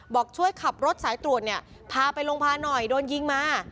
บอกช่วยขับรถสายตรวจเนี่ยพาไปโรงพักหน่อยโดนยิงมา